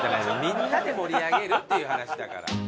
みんなで盛り上げるっていう話だから。